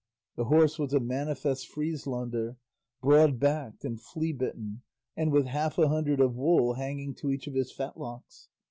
The horse was a manifest Frieslander, broad backed and flea bitten, and with half a hundred of wool hanging to each of his fetlocks.